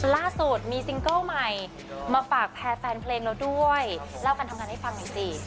ล่าสุดมีซิงเกิ้ลใหม่มาฝากแพรร์แฟนเพลงแล้วด้วยเล่ากันทำงานให้ฟังอย่างนี้สิ